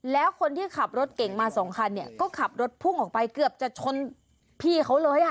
แล้วคนที่ขับรถเก่งมาสองคันเนี่ยก็ขับรถพุ่งออกไปเกือบจะชนพี่เขาเลย